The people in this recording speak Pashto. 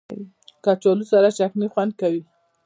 کچالو سره چټني خوند کوي